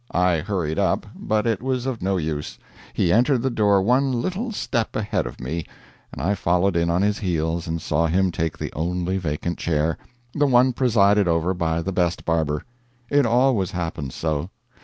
I hurried up, but it was of no use; he entered the door one little step ahead of me, and I followed in on his heels and saw him take the only vacant chair, the one presided over by the best barber. It always happens so.